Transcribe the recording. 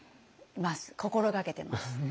心掛けてます。